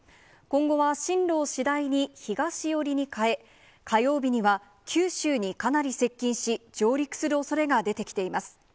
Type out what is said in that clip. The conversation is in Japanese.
今後は進路を次第に東寄りに変え、火曜日には九州にかなり接近し、上陸するおそれが出てきています。